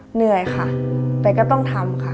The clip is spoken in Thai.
เหนื่อยค่ะแต่ก็ต้องทำค่ะ